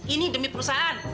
ini demi perusahaan